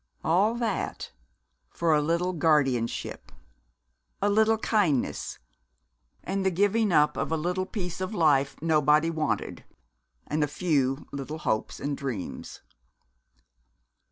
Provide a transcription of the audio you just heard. All that for a little guardianship, a little kindness, and the giving up of a little piece of life nobody wanted and a few little hopes and dreams!